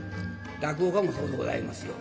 落語家もそうでございますよ。